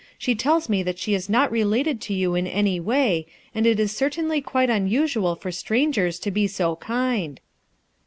She tells me that she is not related to you in any way, and it is cer tainly quite unusual for strangers to be so kind."